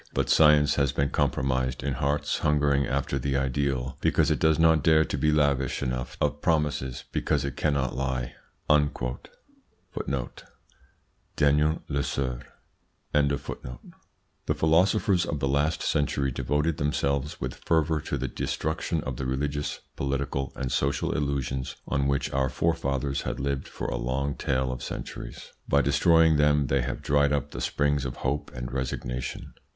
But science has been compromised in hearts hungering after the ideal, because it does not dare to be lavish enough of promises, because it cannot lie." Daniel Lesueur. The philosophers of the last century devoted themselves with fervour to the destruction of the religious, political, and social illusions on which our forefathers had lived for a long tale of centuries. By destroying them they have dried up the springs of hope and resignation.